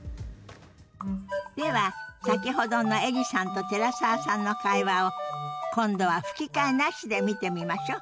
では先ほどのエリさんと寺澤さんの会話を今度は吹き替えなしで見てみましょ。